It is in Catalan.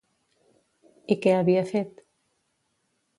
I què havia fet?